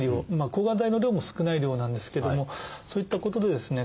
抗がん剤の量も少ない量なんですけどもそういったことでですね